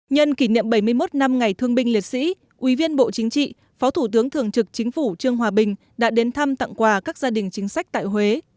nhân kỷ niệm bảy mươi một năm ngày thương binh liệt sĩ ủy viên bộ chính trị phó thủ tướng thường trực chính phủ trương hòa bình đã đến thăm tặng quà các gia đình chính sách tại huế